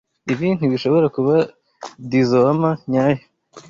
Ibi ntibishobora kuba dizoama nyayo.